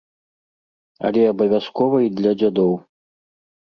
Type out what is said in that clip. Але абавязкова й для дзядоў.